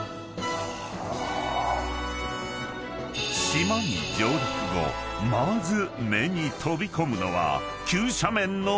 ［島に上陸後まず目に飛び込むのは］